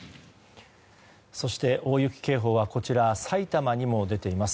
そして、大雪警報はこちらさいたまにも出ています。